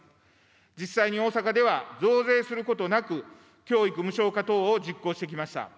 実際に大阪では増税することなく、教育無償化等を実行してきました。